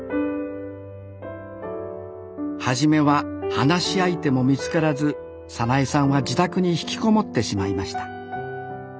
初めは話し相手も見つからず早苗さんは自宅に引きこもってしまいました。